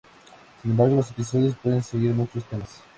Sin embargo los episodios pueden seguir muchos temas.